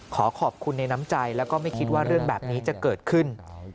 ขอขอบคุณในน้ำใจแล้วก็ไม่คิดว่าเรื่องแบบนี้จะเกิดขึ้น